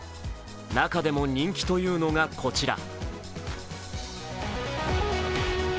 中でも人気というのがこちら。